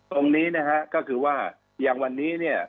ตรงนี้นะฮะก็คือว่าอย่างวันนี้เนี่ย